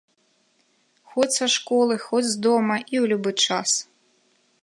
Хоць са школы, хоць з дома, і ў любы час.